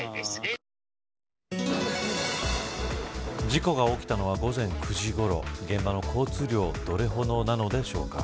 事故が起きたのは午前９時ごろ現場の交通量どれほどなのでしょうか。